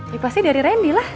ya pasti dari randy lah